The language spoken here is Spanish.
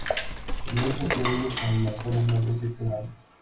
Comienza el juego con la forma más básica de la nave.